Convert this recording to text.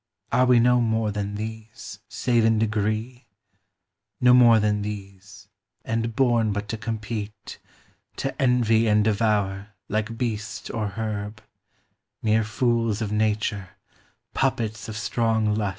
Are we no more than these, save in degree ? No more than these ; and born but to compete, — To envy and devour, like beast or herb ; Mere fools of nature, puppets of strong lusts.